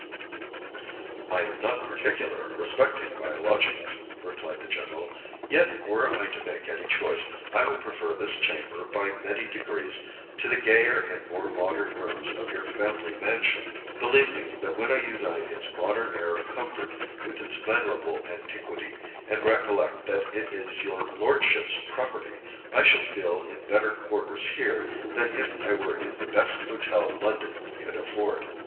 "I am not particular respecting my lodgings," replied the general; "yet were I to make any choice, I would prefer this chamber by many degrees to the gayer and more modern rooms of your family mansion. Believe me, that when I unite its modern air of comfort with its venerable antiquity, and recollect that it is your lordship's property, I shall feel in better quarters here than if I were in the best hotel London could afford."